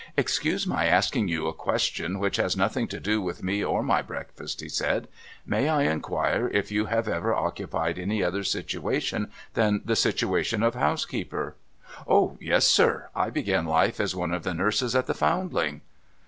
' Excuse my asking you a question which has nothing to do with me or my breakfast,' he said, ' May I inquire if you have ever occupied any other situation than the situation of housekeeper ?'' O yes, sir. I began life as one of the nurses at the Foundling.'